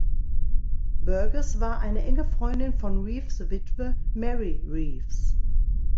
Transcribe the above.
Burgess war eine enge Freundin von Reeves’ Witwe Mary Reeves.